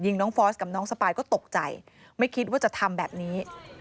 น้องฟอสกับน้องสปายก็ตกใจไม่คิดว่าจะทำแบบนี้